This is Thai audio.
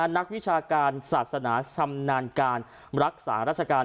นักวิชาการศาสนาชำนาญการรักษาราชการ